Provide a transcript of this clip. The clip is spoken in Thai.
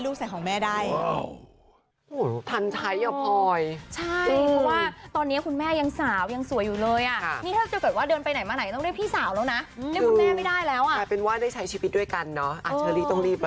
ใส่ของแม่ได้